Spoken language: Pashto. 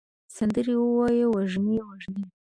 سندرې ووایې وږمې، وږمې